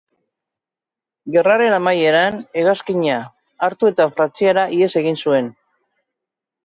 Gerraren amaieran, hegazkina hartu eta Frantziara ihes egin zuen.